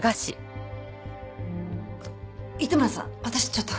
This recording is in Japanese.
糸村さん私ちょっと。